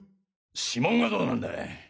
指紋はどうなんだ。